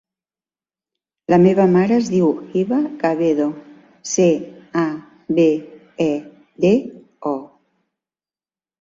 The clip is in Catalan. La meva mare es diu Hiba Cabedo: ce, a, be, e, de, o.